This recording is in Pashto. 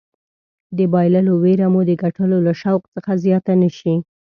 د بایللو ویره مو د ګټلو له شوق څخه زیاته نه شي.